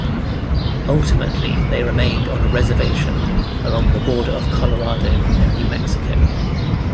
Ultimately they remained on a reservation along the border of Colorado and New Mexico.